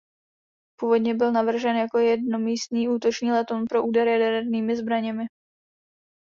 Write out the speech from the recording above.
Původně byl navržen jako jednomístný útočný letoun pro úder jadernými zbraněmi.